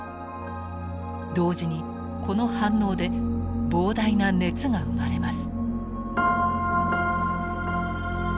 同時にこの反応で膨大な熱が生まれます。